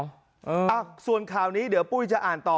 อ่ะส่วนข่าวนี้เดี๋ยวปุ้ยจะอ่านต่อ